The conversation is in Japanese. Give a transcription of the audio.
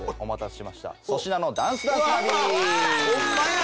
ホンマや。